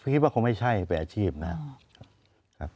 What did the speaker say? คิดว่าคงไม่ใช่เป็นอาชีพนะครับ